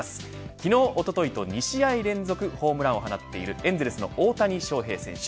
昨日、おとといと２試合連続ホームランを放っているエンゼルスの大谷翔平選手。